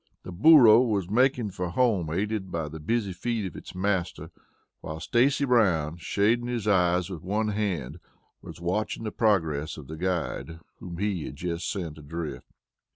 The burro was making for home, aided by the busy feet of its master, while Stacy Brown, shading his eyes with one hand, was watching the progress of the guide, whom he had just sent adrift.